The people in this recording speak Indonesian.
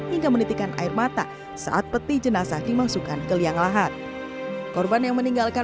hingga menitikan air mata saat peti jenazah dimasukkan ke liang lahat korban yang meninggalkan